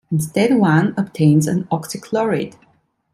Instead one obtains an oxychloride.